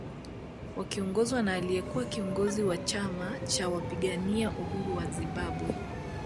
Wakiongozwa na aliyekuwa kiongozi wa chama cha wapigania uhuru wa Zimbabwe